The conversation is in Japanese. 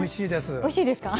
おいしいです。